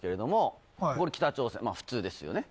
これ北朝鮮普通ですよね